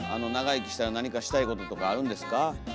長生きしたら何かしたいこととかあるんですか？